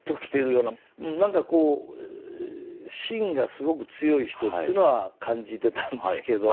なんかこうしんがすごく強い人っていうのは感じてたんですけど